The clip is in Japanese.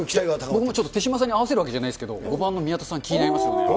僕もちょっと手嶋さんに合わせるわけじゃないですけど、５番の宮田さん、気になりますよね。